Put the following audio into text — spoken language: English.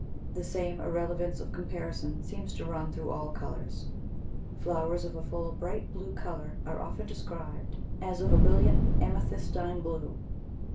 The same irrelevance of comparison seems to run through all the colours. Flowers of a full, bright blue colour are often described as of a "brilliant amethystine blue."